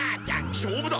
しょうぶだ！